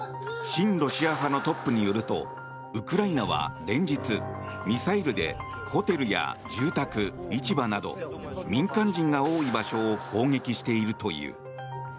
親ロシア派のトップによるとウクライナは連日ミサイルでホテルや住宅市場など民間人が多い場所を攻撃しているという。